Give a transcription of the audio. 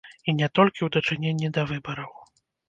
І не толькі ў дачыненні да выбараў.